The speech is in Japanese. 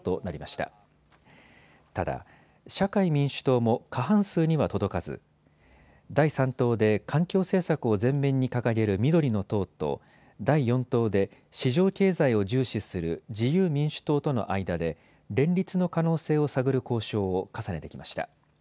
ただ社会民主党も過半数には届かず第３党で環境政策を前面に掲げる緑の党と第４党で市場経済を重視する自由民主党との間で連立の可能性を探る交渉を重ねてきました。